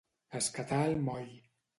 Escatar el moll.